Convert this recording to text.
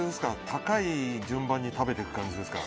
高い順番に食べていく感じですか。